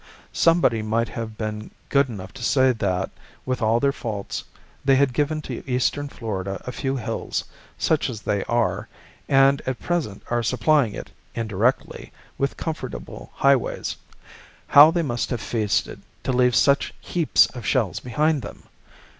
Somebody might have been good enough to say that, with all their faults, they had given to eastern Florida a few hills, such as they are, and at present are supplying it, indirectly, with comfortable highways. How they must have feasted, to leave such heaps of shells behind them!